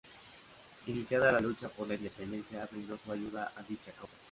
Iniciada la lucha por la Independencia, brindó su ayuda a dicha causa.